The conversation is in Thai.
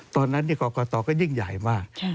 ตอนนั้นกรกฎตอก็ยิ่งใหญ่มาก